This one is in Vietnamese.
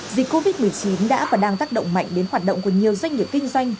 dịch covid một mươi chín đã và đang tác động mạnh đến hoạt động của nhiều doanh nghiệp kinh doanh